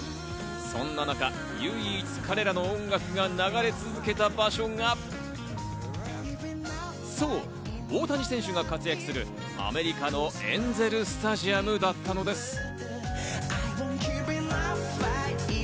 そんな中、唯一彼らの音楽が流れ続けた場所が、そう、大谷選手が活躍するアメリカのエンゼル・スタジアムだったのです。